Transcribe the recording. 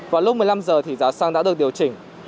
và lúc một mươi năm h thì giá xăng đã được điều chỉnh